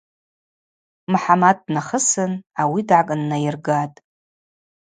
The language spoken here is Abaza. Мхӏамат днахысын, ауи дгӏакӏыннайыргатӏ.